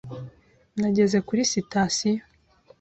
Nageze kuri sitasiyo.